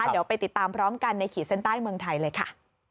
เดี๋ยวไปติดตามพร้อมกันในขีดเส้นใต้เมืองไทยเลยค่ะ